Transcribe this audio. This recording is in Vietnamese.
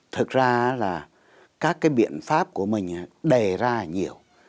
thực ra là các cái biện pháp của mình đề ra là nhiều